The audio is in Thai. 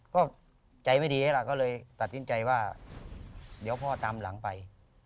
ก็ใจไม่ดีแล้วล่ะก็เลยตัดสินใจว่าเดี๋ยวพ่อตามหลังไป